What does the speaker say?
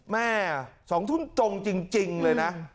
แม่๒ทุ่มตรงจริงเลยนะ